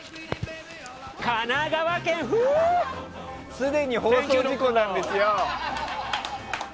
すでに放送事故なんですよ。